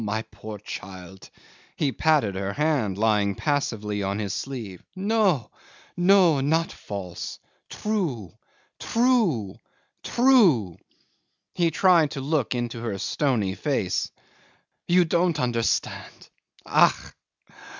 My poor child! ..." He patted her hand lying passively on his sleeve. "No! no! Not false! True! True! True!" He tried to look into her stony face. "You don't understand. Ach!